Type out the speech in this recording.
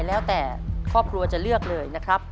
แล้วแต่ครอบครัวจะเลือกเลยนะครับ